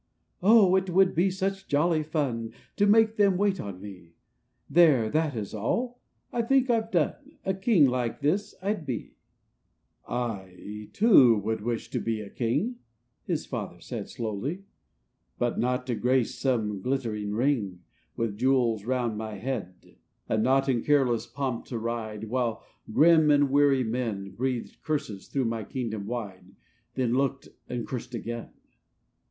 " 0 ! it would be such jolly fun, To make them wait on me; There, that is all; I think I've done; A king like this I'd be !" "I, too, would wish to he a king," His Father slowly said; "But not to grace some glitt'ring ring, With jewels round my head. 7 98 KING WILL. "And not in careless pomp to ride, While grim and weary men Breathed curses through my kingdom wide, Then looked, and cursed again.